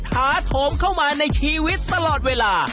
ถาโถมเข้ามาในชีวิตตลอดเวลา